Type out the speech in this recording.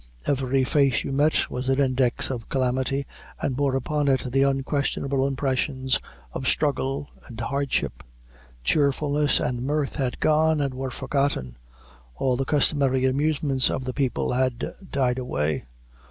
Every face you met was an index of calamity, and bore upon it the unquestionable impressions of struggle and hardship. Cheerfulness and mirth had gone, and were forgotten. All the customary amusements of the people had died away.